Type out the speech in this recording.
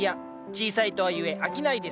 小さいとはいえ商いです。